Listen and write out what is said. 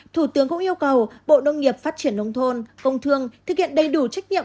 thủ tướng cũng yêu cầu bộ nông nghiệp phát triển nông thôn công thương thực hiện đầy đủ trách nhiệm